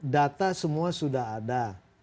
data semua sudah ada